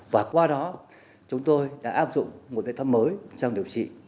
và qua đó chúng tôi đã áp dụng một biện pháp mới trong điều trị